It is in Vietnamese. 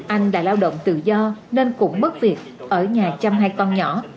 anh là lao động tự do nên cũng mất việc ở nhà chăm hai con nhỏ